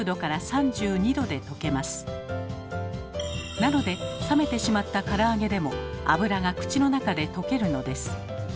なので冷めてしまったから揚げでも脂が口の中で溶けるのです。